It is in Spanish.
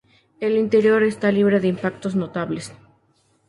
El interior está libre de impactos notables.